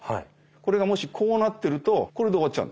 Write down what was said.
これがもしこうなってるとこれで終わっちゃう。